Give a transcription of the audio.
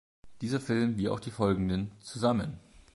Dieser Film wie auch die folgenden, "Zusammen!